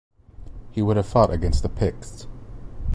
He would have fought against the picts.